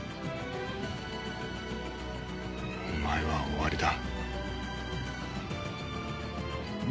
お前は終わりだ。